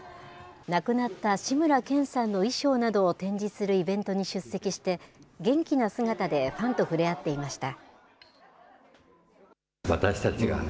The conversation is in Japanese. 亡くなった志村けんさんの衣装などを展示するイベントに出席して、元気な姿でファンとふれあっていました。